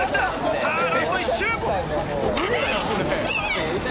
さぁ、ラスト１周！